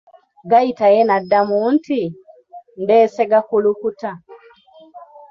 Gayita ye n'addamuu nti, ndesse gakulukuta.